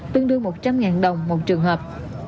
tương đương một trăm linh đồng một trường hợp